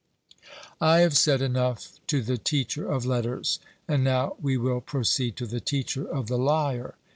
I have said enough to the teacher of letters; and now we will proceed to the teacher of the lyre.